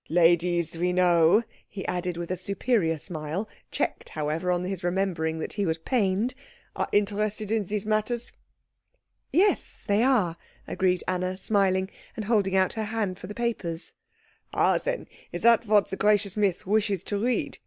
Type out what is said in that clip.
Ladies, we know," he added with a superior smile, checked, however, on his remembering that he was pained, "are interested in these matters." "Yes, they are," agreed Anna, smiling, and holding out her hand for the papers. "Ah, then, it is that that the gracious Miss wishes to read?"